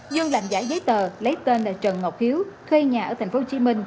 dương làm giả giấy tờ lấy tên là trần ngọc hiếu thuê nhà ở tp hcm